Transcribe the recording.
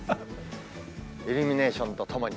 イルミネーションとともに。